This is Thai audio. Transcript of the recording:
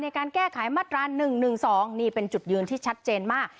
ในการแก้ไขมาตรา๑๑๒นี่เป็นจุดยืนที่ชัดเจนมาก